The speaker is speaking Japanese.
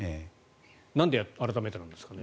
なんで改めてなんですかね。